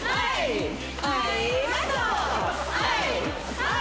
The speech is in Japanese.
はい！